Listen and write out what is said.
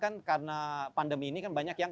kan karena pandemi ini kan banyak yang